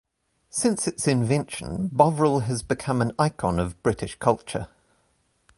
Since its invention, Bovril has become an icon of British culture.